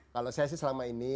kalau saya sih selama ini